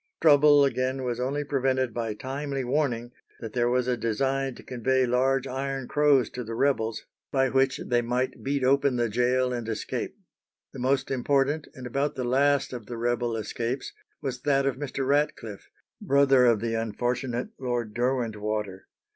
Trouble, again, was only prevented by timely warning that there was a design to convey large iron crows to the rebels, by which they might beat open the gaol and escape. The most important and about the last of the rebel escapes was that of Mr. Ratcliffe, brother of the unfortunate Lord Derwentwater.